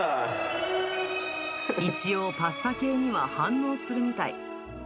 一応、パスタ系には反応するみたい。